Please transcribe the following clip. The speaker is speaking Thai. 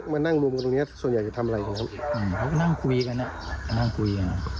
มานั่งรุมกันตรงนี้ส่วนใหญ่จะทำอะไรกับเขาเขาก็นั่งคุยกันอ่ะนั่งคุยกัน